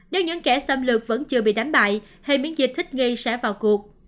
nếu những kẻ xâm lược vẫn chưa bị đánh bại hay miễn dịch thích nghi sẽ vào cuộc